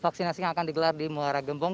vaksinasi yang akan digelar di muara gembong